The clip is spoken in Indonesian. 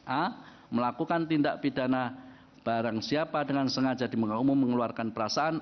a melakukan tindak pidana barang siapa dengan sengaja di muka umum mengeluarkan perasaan